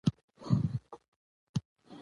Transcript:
تلل او کښېنستل ښه دي، نه ځغستل او ځنډېدل.